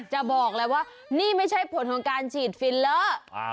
จะบอกเลยว่านี่ไม่ใช่ผลของการฉีดฟิลเลอร์